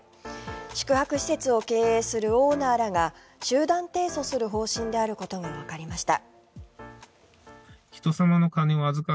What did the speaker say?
宿泊施設を経営するオーナーらが集団提訴する方針であることがわかりました。